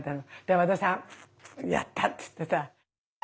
和田さん「やった！」って言ってさ。